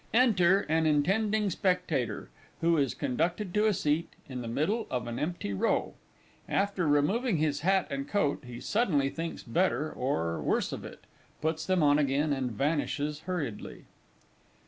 Enter an intending Spectator, who is conducted to a seat in the middle of an empty row. After removing his hat and coat, he suddenly thinks better or worse of it, puts them on again, and vanishes hurriedly.